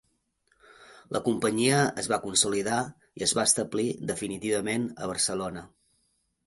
La companyia es va consolidar i es va establir definitivament a Barcelona.